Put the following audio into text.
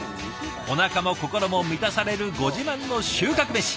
おなかも心も満たされるご自慢の収穫メシ